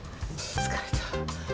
疲れた。